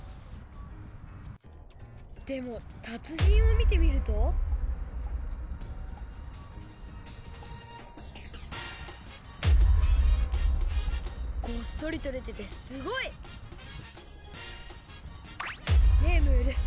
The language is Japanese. でもたつじんを見てみるとごっそりとれててすごい！ねえムール！